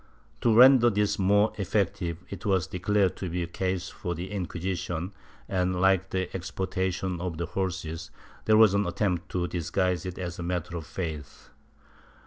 To render this more effective, it was declared to be a case for the Inquisition and, like the exportation of horses, there was an attempt to disguise it as a matter of faith.